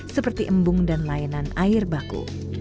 seperti embung dan layanan air baku